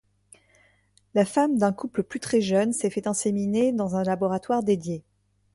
La femme d'un couple plus très jeune s'est fait inséminée dans un laboratoire dédié.